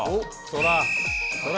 そら。